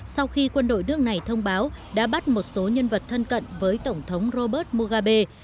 sau khi quân đội nước này thông báo đã bắt một số nhân vật thân cận với tổng thống robert mugabe